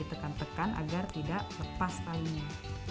ditekan tekan agar tidak lepas talinya